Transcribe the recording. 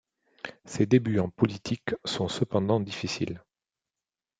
Ses débuts en politique sont cependant difficiles.